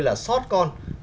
là xót con